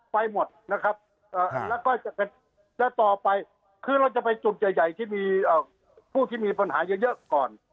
ไปหมดนะครับแล้วก็จะต่อไปคือเราจะไปจุดใหญ่ที่มีผู้ที่มีปัญหาเยอะก่อน